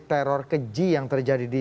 teror keji yang terjadi di